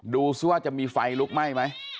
ดูซิว่าจะมีไฟลุกไหม้ไหม